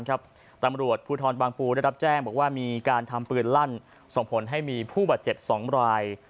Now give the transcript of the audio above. ตำรวจภูทรบางปูได้รับแจ้งบอกว่ามีการทำปืนลั่นส่งผลให้มีผู้บาดเจ็บ๒ราย